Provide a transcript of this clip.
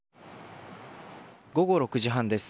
午後６時半です。